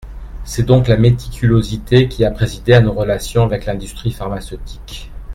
C’est donc la méticulosité qui a présidé à nos relations avec l’industrie pharmaceutique.